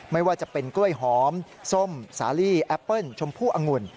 ไม่ว่าจะเป็นกล้วยหอมส้มสาลีแอปเปิ้ลชมพู่องุ่น